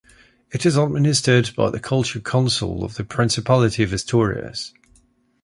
It is administered by the culture council of the Principality of Asturias.